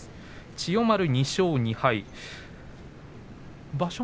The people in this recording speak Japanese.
千代丸２勝２敗場所